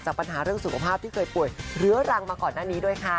ปัญหาเรื่องสุขภาพที่เคยป่วยเรื้อรังมาก่อนหน้านี้ด้วยค่ะ